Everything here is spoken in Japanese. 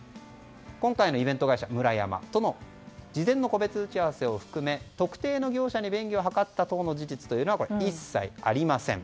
今回のイベント会社ムラヤマとの事前の個別打ち合わせを含め特定の業者に便宜を図った等の事実というのは一切ありません。